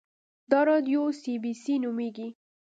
دا راډیو سي بي سي نومیږي